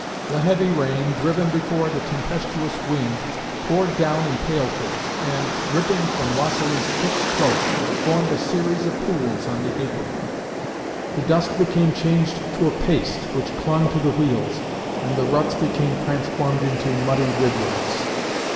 The heavy rain, driven before the tempestuous wind, poured down in pailfuls and, dripping from Vassili's thick cloak, formed a series of pools on the apron. The dust became changed to a paste which clung to the wheels, and the ruts became transformed into muddy rivulets.